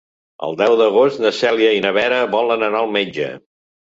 El deu d'agost na Cèlia i na Vera volen anar al metge.